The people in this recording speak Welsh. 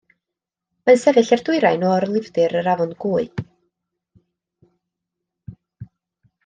Mae'n sefyll i'r dwyrain o orlifdir yr Afon Gwy.